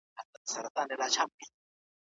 آیا کتابتون څېړنه ستاسو لپاره اسانه ده؟